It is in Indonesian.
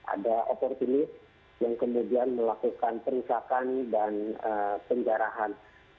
ada oportunis yang kemudian melakukan perisakan dan penjarahan